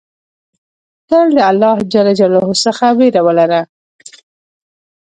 تل د الله ج څخه ویره ولره.